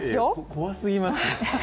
怖すぎますね。